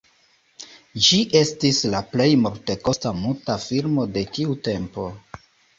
Ĝi estis la plej multekosta muta filmo de tiu tempo.